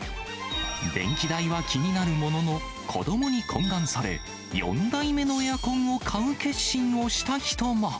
電気代は気になるものの、子どもに懇願され、４台目のエアコンを買う決心をした人も。